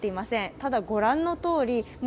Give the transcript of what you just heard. ただ、ご覧のとおりもう